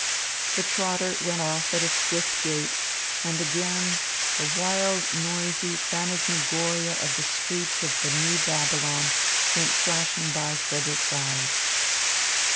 The trotter went off at a swift gait, and again the wild, noisy phantasmagoria of the streets of the new Babylon went flashing by Frederick's eyes.